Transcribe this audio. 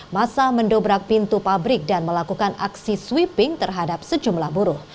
masa mendobrak pintu pabrik dan melakukan aksi sweeping terhadap sejumlah buruh